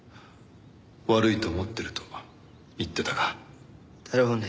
悪いと思ってると言ってたが。だろうね。